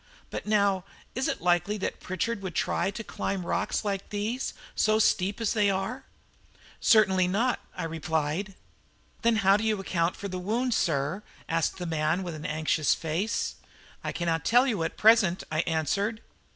But now, is it likely that Pritchard would try to climb rocks like these, so steep as they are?" "Certainly not," I replied. "Then how do you account for the wound, sir?" asked the man with an anxious face. "I cannot tell you at present," I answered.